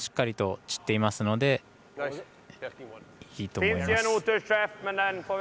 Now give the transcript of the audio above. しっかりと散っていますのでいいと思います。